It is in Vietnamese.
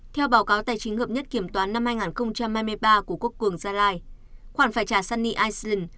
theo báo cáo tài chính hợp nhất kiểm toán năm hai nghìn hai mươi ba của quốc cường gia lai khoản phải trả sunny island